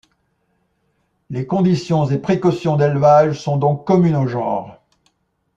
Les conditions et précautions d'élevage sont donc communes au genre.